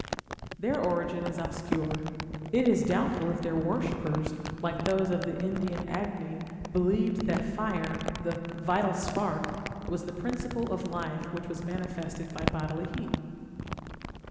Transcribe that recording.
Their origin is obscure. It is doubtful if their worshippers, like those of the Indian Agni, believed that fire, the "vital spark", was the principle of life which was manifested by bodily heat.